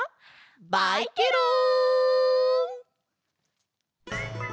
バイケロン！